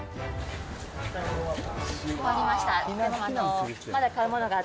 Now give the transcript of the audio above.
終わりました。